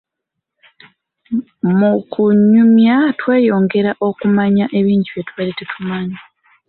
Mukunyumya, tweyongera okumanya ebingi bye tubadde tetumanyi.